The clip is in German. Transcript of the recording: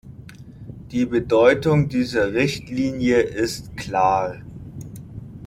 Die Bedeutung dieser Richtlinie ist klar.